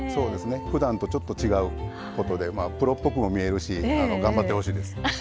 ふだんとちょっと違うことでプロっぽくも見えるし頑張ってほしいです。